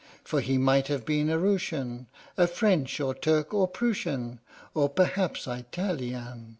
For he might have been a Rooshian, A French, or Turk, or Prooshian, Or perhaps I tal i an!